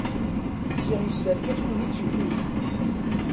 Ziɣ yesserka-tt win tt-iwwin.